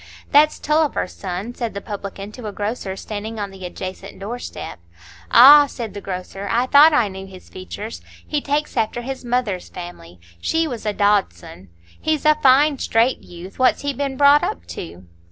"That's Tulliver's son," said the publican to a grocer standing on the adjacent door step. "Ah!" said the grocer, "I thought I knew his features. He takes after his mother's family; she was a Dodson. He's a fine, straight youth; what's he been brought up to?"